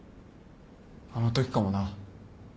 あのときかもな。